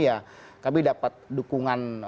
ya kami dapat dukungan